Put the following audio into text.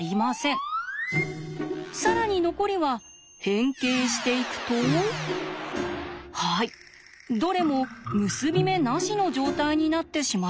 更に残りは変形していくとはいどれも結び目なしの状態になってしまいました。